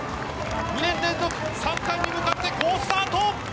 ２年連続、３冠に向かって好スタート。